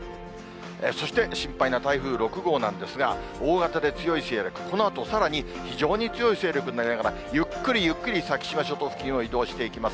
そして心配な台風６号なんですが、大型で強い勢力で、このあと、さらに非常に強い勢力になりながら、ゆっくりゆっくり先島諸島付近を移動していきます。